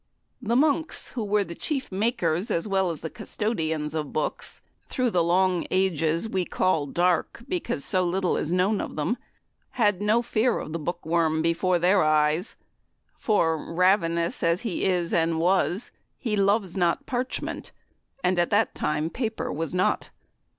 The monks, who were the chief makers as well as the custodians of books, through the long ages we call "dark," because so little is known of them, had no fear of the bookworm before their eyes, for, ravenous as he is and was, he loves not parchment, and at that time paper was not.